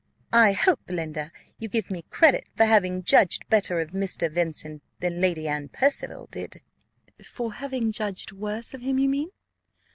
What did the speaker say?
"I hope, Belinda, you give me credit, for having judged better of Mr. Vincent than Lady Anne Percival did?" "For having judged worse of him, you mean?